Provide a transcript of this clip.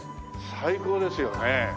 最高ですよね。